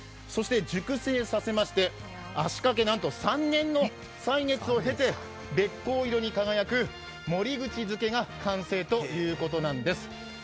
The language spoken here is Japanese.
そして熟成させまして、足かけなんと３年の歳月を経て、べっ甲色に輝く守口漬けが完成ということなんです。